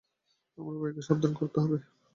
আমার ভাইকে সাবধান করতে হবে।